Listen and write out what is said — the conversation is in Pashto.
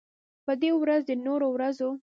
په دې ورځ د نورو ورځو